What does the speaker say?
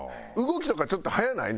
動きとかちょっと速ない？